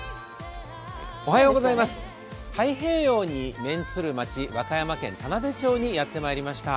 太平洋に面する町、和歌山県みなべ町にやってまいりました。